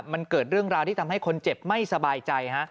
มันเกิดเรื่องราวที่ทำให้คนเจ็บไม่สบายใจฮะ